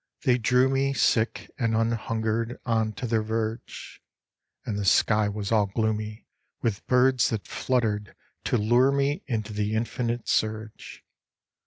They drew me Sick and an hungered on to their verge ; And the sky was all gloomy With birds that fluttered to lure me Into the infinite surge.